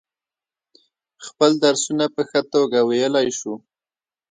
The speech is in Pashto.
خپل درسونه په ښه توگه ویلای شو.